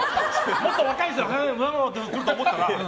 もっと若い人はわーっと来ると思ったら。